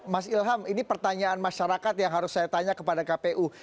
mas ilham ini pertanyaan masyarakat yang harus saya tanya kepada kpu